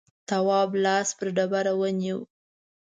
تواب لاس پر ډبره ونيو.